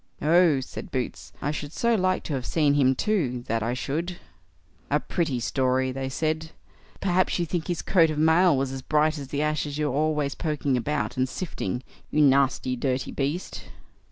"Oh!" said Boots, "I should so like to have seen him too, that I should." "A pretty story", they said. "Perhaps you think his coat of mail was as bright as the ashes you are always poking about, and sifting, you nasty dirty beast."